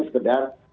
sekedar jalan gitu